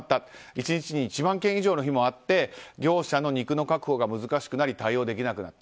１日に１万件以上の日もあって業者の肉の確保が難しくなり対応できなくなった。